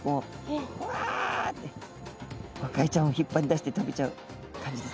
ゴカイちゃんを引っ張り出して食べちゃう感じです。